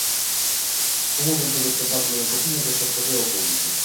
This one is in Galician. Un momento do espectáculo de cociña que se ofreceu ao público.